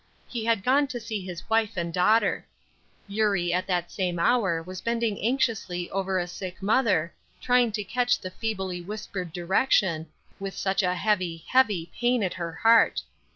He had gone to see his wife and daughter. Eurie at that same hour was bending anxiously over a sick mother, trying to catch the feebly whispered direction, with such a heavy, heavy pain at her heart.